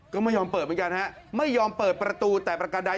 ก็ไม่ยอมเปิดเหมือนกันฮะไม่ยอมเปิดประตูแต่ประการใด